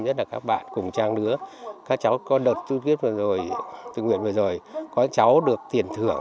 nhất là các bạn cùng trang đứa các cháu có đợt tuyết vừa rồi tự nguyện vừa rồi có cháu được tiền thưởng